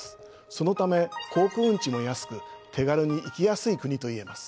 そのため航空運賃も安く手軽に行きやすい国といえます。